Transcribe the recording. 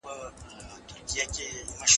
د ښځې تاديبي وهل د آخر حل لاره ده.